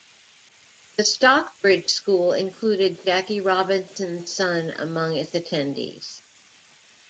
The Stockbridge School included Jackie Robinson's son among its attendees.